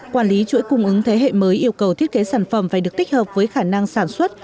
quản lý chuỗi cung ứng thế hệ mới yêu cầu thiết kế sản phẩm phải được tích hợp với khả năng sản xuất